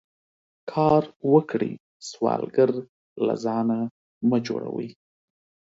کار وکړئ سوالګر له ځانه مه جوړوئ